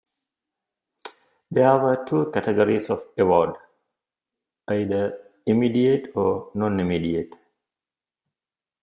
There were two categories of award, either "Immediate" or "Non-Immediate".